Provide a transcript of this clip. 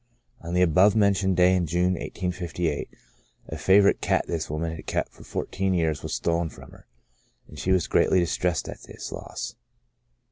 On the above mentioned day in June, 1858, a favorite cat this woman had kept for fourteen years was stolen from her, and she was greatly distressed at this loss.